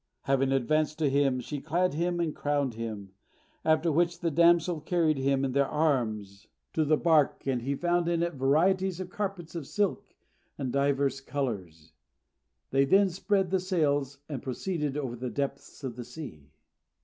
Having advanced to him, she clad him and crowned him; after which the damsels carried him in their arms to the bark, and he found in it varieties of carpets of silk of divers colours. They then spread the sails, and proceeded over the depths of the sea.